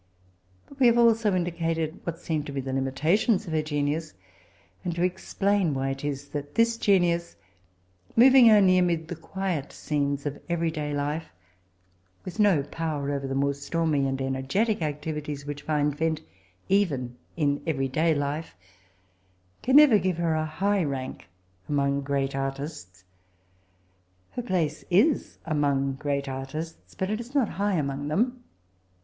But we have also indicated what seem to be the limitations of her genius, a6d to ex plun why it is that this genius, moving only amid the quiet scenes of every day life, with no power over the more stormy and energetic ac tivities which find vent even m every 1859.] 77ie Change of I^nistry^What next 7 113 day life, can never give her a high rank among great artists. Her place is among great artists, bat it is not high among them.